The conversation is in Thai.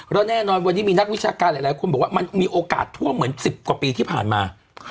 แล้วแน่นอนวันนี้มีนักวิชาการหลายคนบอกว่ามันมีโอกาสทั่วเหมือน๑๐กว่าปีที่ผ่านมา